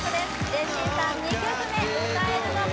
ジェシーさん２曲目歌えるのか？